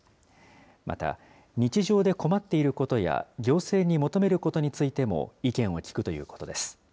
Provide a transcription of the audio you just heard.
また、日常で困っていることや行政に求めることについても意見を聞くということです。